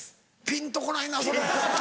ピンと来ないなそれ。